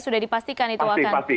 sudah dipastikan itu akan